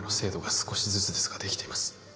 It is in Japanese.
少しずつですができています